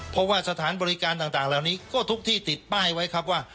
เพราะว่าสถานบริการต่างเหล่านี้ก็ทุกที่ติดป้ายไว้ครับว่า